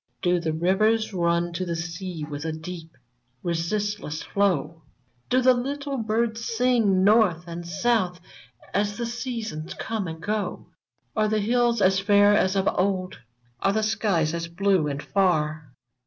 Do the rivers nm to the sea With a deep, resistless flow ? Do the little birds sing north and south As the seasons come and go f " Are the hills as fair as of old? Are the skies as blue and far